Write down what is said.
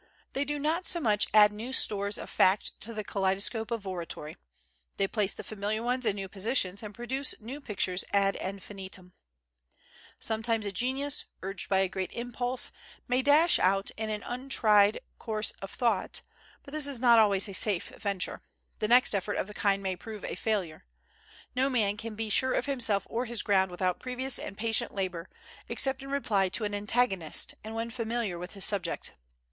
They do not so much add new stores of fact to the kaleidoscope of oratory, they place the familiar ones in new positions, and produce new pictures ad infinitum. Sometimes a genius, urged by a great impulse, may dash out in an untried course of thought; but this is not always a safe venture, the next effort of the kind may prove a failure. No man can be sure of himself or his ground without previous and patient labor, except in reply to an antagonist and when familiar with his subject.